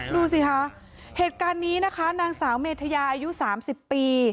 ดูสิคะเหตุการณ์นี้นะคะนางสาวเมธยาอายุ๓๐ปี